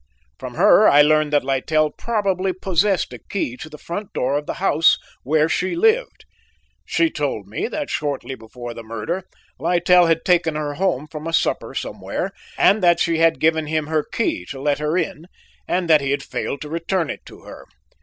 "From her I learned that Littell probably possessed a key to the front door of the house where she lived; she told me that shortly before the murder Littell had taken her home from a supper somewhere and that she had given him her key to let her in and that he had failed to return it to her.